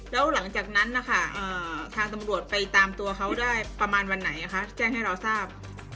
แล้วหลังจากนั้นนะคะทางตำรวจไปตามตัวเขาได้ประมาณวันไหนแจ้งให้เราทราบ